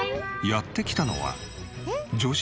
やって来たのは「何？